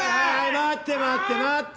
待って待って待って。